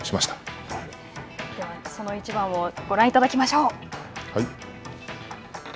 ではその一番をご覧いただきましょう。